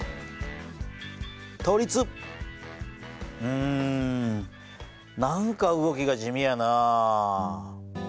うん何か動きが地味やなあ。